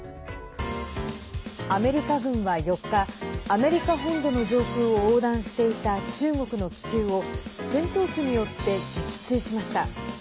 アメリカ軍は４日アメリカ本土の上空を横断していた中国の気球を戦闘機によって撃墜しました。